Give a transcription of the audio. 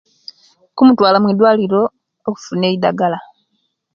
Kumutwala mwidwaliro okufuna eidagala